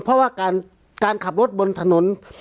เพราะว่าการขับรถบนถนน